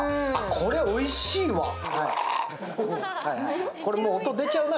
これ、おいしいわ！